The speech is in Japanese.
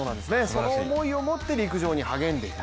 その思いを持って陸上に励んでいた。